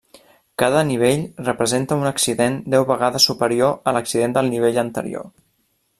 Cada nivell representa un accident deu vegades superior a l'accident del nivell anterior.